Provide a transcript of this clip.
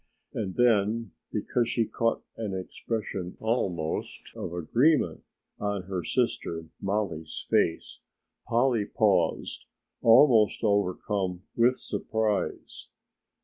And then because she caught an expression almost of agreement on her sister Mollie's face, Polly paused, almost overcome with surprise.